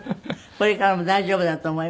これからも大丈夫だと思います。